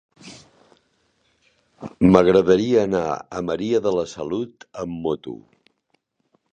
M'agradaria anar a Maria de la Salut amb moto.